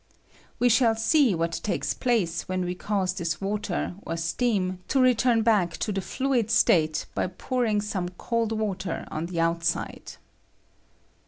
We shaU see what takes place when we cause this water or steam to return back to the fluid state by pouring some cold water on the outside.